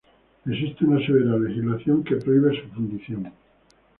Existe una severa legislación que prohíbe su fundición.